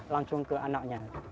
langsung ke anaknya